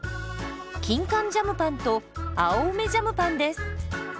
キンカンジャムパンと青梅ジャムパンです。